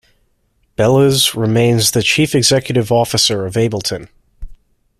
Behles remains the chief executive officer of Ableton.